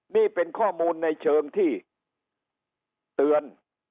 นี่เป็นข้อมูลในเชิงที่เตือน